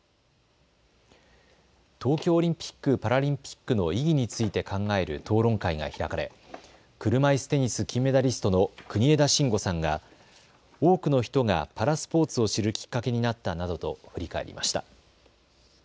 東京オリンピック・パラリンピックの意義について考える討論会が開かれ車いすテニス金メダリストの国枝慎吾さんが多くの人がパラスポーツを知るきっかけになったなどと振り返りました。